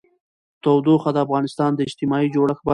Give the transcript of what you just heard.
تودوخه د افغانستان د اجتماعي جوړښت برخه ده.